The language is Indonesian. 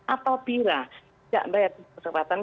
apabila tidak membayar kesepakatan